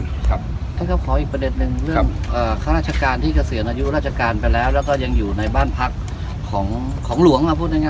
ท่านครับขออีกประเด็นหนึ่งเรื่องข้าราชการที่เกษียณอายุราชการไปแล้วแล้วก็ยังอยู่ในบ้านพักของหลวงพูดง่าย